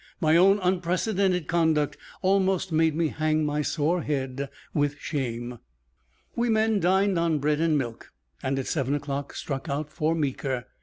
My own unprecedented conduct almost made me hang my sore head with shame. We men dined on bread and milk, and at seven o'clock struck out for Meeker.